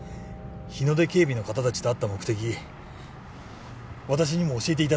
日ノ出警備の方たちと会った目的私にも教えて頂けませんか？